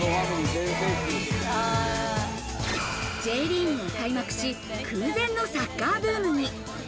Ｊリーグが開幕し、空前のサッカーブームに。